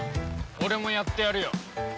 俺もやってやるよ。